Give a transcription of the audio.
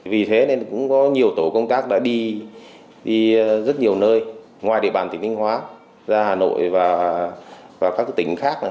vì thế nên cũng có nhiều tổ công tác đã đi rất nhiều nơi ngoài địa bàn tỉnh thanh hóa ra hà nội và các tỉnh khác